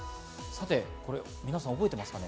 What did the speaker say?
皆さん覚えていますか？